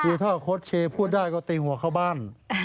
คือถ้าโค้ชเชย์พูดได้ก็ตีหัวเข้าบ้าน